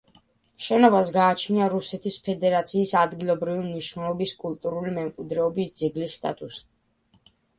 შენობას გააჩნია რუსეთის ფედერაციის ადგილობრივი მნიშვნელობის კულტურული მემკვიდრეობის ძეგლის სტატუსი.